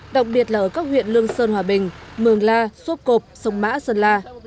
đặc biệt là ở các huyện lương sơn hòa bình mường la sốp cộp sông mã sơn la